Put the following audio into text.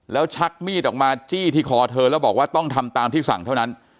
แล้วชักมีดออกมาจี้ที่คอเธอแล้วบอกว่าต้องทำตามที่สั่งเท่านั้น